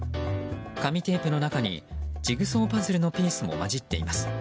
紙テープの中にジグソーパズルのピースも交じっています。